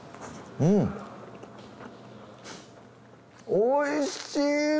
おいしい！